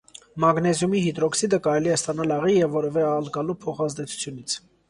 Մագնեզիումի հիդրօքսիդը կարելի է ստանալ աղի և որևէ ալկալու փոխազդեցությունից։